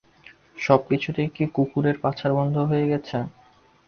সবকিছুতেই কি কুকুরের পাছার গন্ধ হয়ে গেছে।